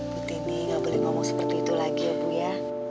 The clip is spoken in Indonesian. bu tini nggak boleh ngomong seperti itu lagi ya bu ya